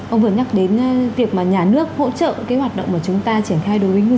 ông vừa nhắc đến việc mà nhà nước hỗ trợ cái hoạt động của chúng ta triển khai đối với ngư dân